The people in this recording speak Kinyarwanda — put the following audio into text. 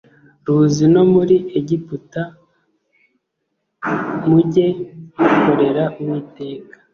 ruzi no muri Egiputa mujye mukorera Uwiteka